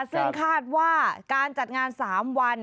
ซึ่งคาดว่าการจัดงาน๓วัน